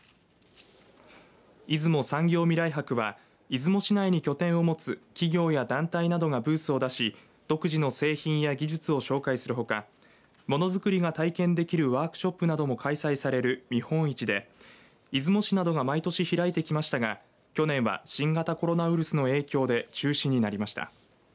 いずも産業未来博は出雲市内に拠点を持つ企業や団体などがブースを出し独自の製品や技術を紹介するほかものづくりが体験できるワークショップなども開催される見本市で出雲市などが毎年開いてきましたが去年は新型コロナウイルスの影響で中止になりました。